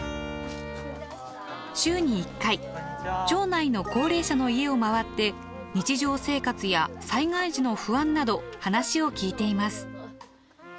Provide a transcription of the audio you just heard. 週に１回町内の高齢者の家を回って日常生活や災害時の不安など話を聞いています。